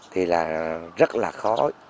thì là rất là khó